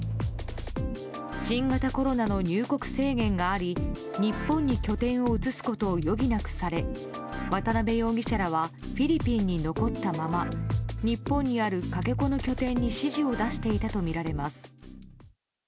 新型コロナウイルスの入国制限があり日本に拠点を移すことを余儀なくされ渡辺容疑者らはフィリピンに残ったまま日本にあるかけ子の拠点に指示を出していたとみられます。